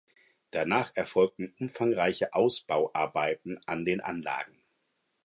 Danach erfolgten umfangreiche Ausbauarbeiten an den Anlagen.